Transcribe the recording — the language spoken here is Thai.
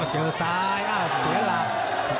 ันดีดแข้งขวา